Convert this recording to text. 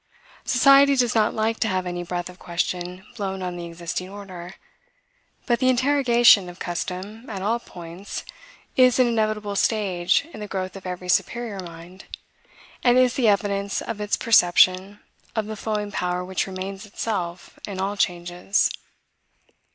Society does not like to have any breath of question blown on the existing order. But the interrogation of custom at all points is an inevitable stage in the growth of every superior mind, and is the evidence of its perception of the flowing power which remains itself in all changes.